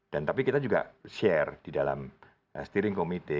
dan tapi kita juga share di dalam steering committee